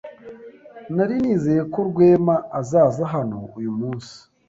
Nari nizeye ko Rwema azaza hano uyu munsi.